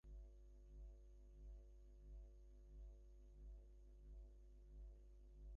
এই-সকল জাগতিক বিভাগ, এই-সকল সসীমত্ব প্রতীতি মাত্র, স্বরূপত অসম্ভব।